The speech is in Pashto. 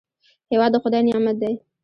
هېواد د خدای نعمت دی